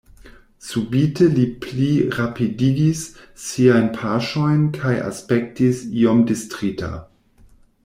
Subite li pli rapidigis siajn paŝojn kaj aspektis iom distrita.